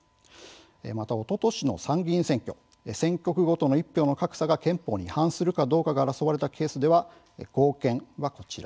またおととしの参議院選挙で選挙区ごとの１票の格差が憲法に違反するかどうかが争われたケースでは合憲はこちら。